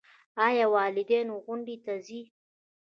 ایا د والدینو غونډې ته ځئ؟